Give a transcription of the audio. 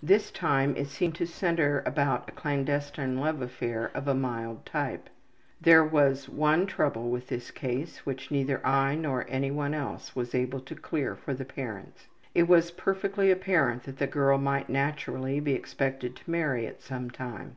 This time it seemed to center about a clandestine love affair of a mild type. There was one trouble with this case which neither I nor any one else was able to clear for the parents. It was perfectly apparent that the girl might naturally be expected to marry at some time.